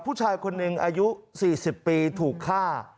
ผู้ชายคนหนึ่งอายุ๔๐ปีถูกฆ่า